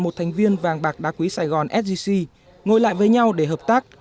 một thành viên vàng bạc đá quý sài gòn sgc ngồi lại với nhau để hợp tác